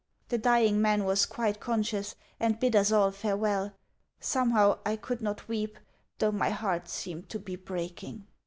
The dying man was quite conscious, and bid us all farewell. Somehow I could not weep, though my heart seemed to be breaking.